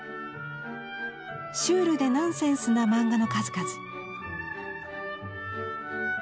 シュールでナンセンスな漫画の数々。